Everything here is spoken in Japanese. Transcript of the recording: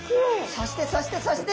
そしてそしてそして。